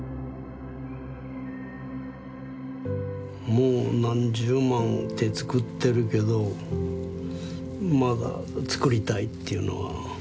もう何十万って作ってるけどまだ作りたいっていうのは。